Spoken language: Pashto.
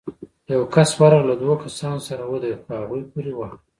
يو کس ورغی، له دوو کسانو سره ودرېد، خو هغوی پورې واهه.